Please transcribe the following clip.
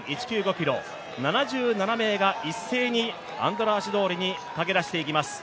ｋｍ７７名が一斉に、アンドラーシ通りに駆けだしていきます。